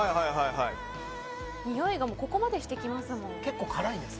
においがここまでしてきますもん。